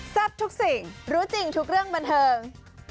ทุกสิ่งรู้จริงทุกเรื่องบันเทิง